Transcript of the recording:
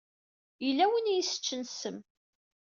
Yella win i yi-iseččen ssem.